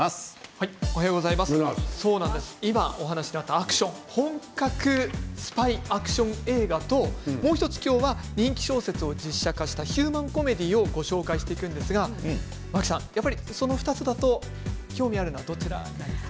今お話にあったアクション本格スパイアクション映画ともう１つ、今日は人気小説を実写化したヒューマンコメディーをご紹介していくんですが真木さん、その２つだと興味あるのはどちらですか？